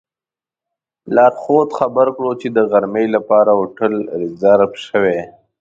لارښود خبر کړو چې د غرمې لپاره هوټل ریزرف شوی.